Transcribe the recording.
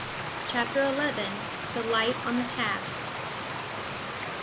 CHAPTER XI. THE LIGHT ON THE PATH.